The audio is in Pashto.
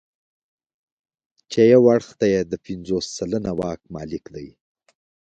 چې یو اړخ یې د پنځوس سلنه واک مالک دی.